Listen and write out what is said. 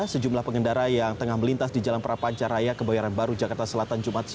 sejumlah pengendara yang tengah melintas di jalan prapancaraya kebayaran baru jakarta selatan